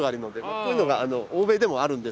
こういうのが欧米でもあるんですけど。